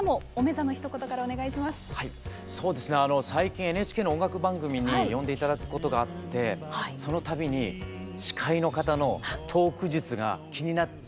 そうですね最近ＮＨＫの音楽番組に呼んで頂くことがあってそのたびに司会の方のトーク術が気になってしかたがない井上芳雄です。